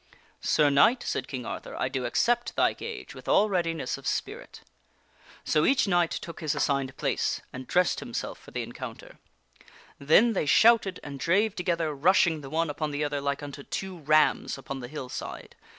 " Sir Knight," said King Arthur, " I do accept thy gage with all readi ness of spirit !" So each knight took his assigned place and dressed himself for the Then they shouted, and drave together, rushing the one upon the other like unto two rams upon the hillside.